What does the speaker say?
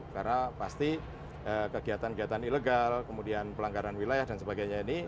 karena pasti kegiatan kegiatan ilegal kemudian pelanggaran wilayah dan sebagainya ini